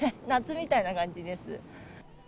夏みたいな感じです。